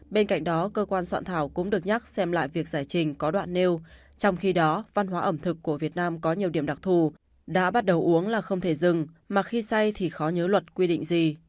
bên cạnh đó cơ quan soạn thảo cũng được nhắc xem lại việc giải trình có đoạn nêu trong khi đó văn hóa ẩm thực của việt nam có nhiều điểm đặc thù đã bắt đầu uống là không thể dừng mà khi say thì khó nhớ luật quy định gì